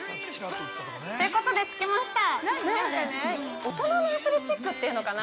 ◆ということで着きました。